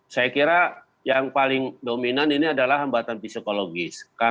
saya kira yang paling dominan ini adalah hambatan psikologis